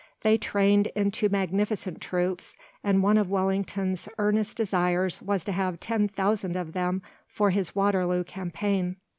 They trained into magnificent troops, and one of Wellington's earnest desires was to have ten thousand of them for his Waterloo campaign.